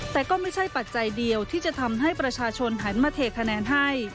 แต่ก็ไม่ใช่ปัจจัยเดียวที่จะทำให้ประชาชนหันมาเทคะแนนให้